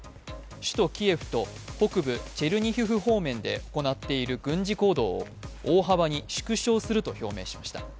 首都キエフと北部チェルニヒフ方面で行っている軍事行動を大幅に縮小すると表明しました。